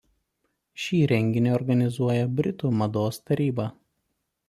Šį renginį organizuoja Britų mados taryba.